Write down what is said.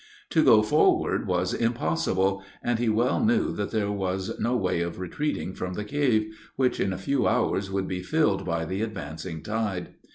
To go forward was impossible; and he well knew that there was no way of retreating from the cave, which, in a few hours, would be filled by the advancing tide.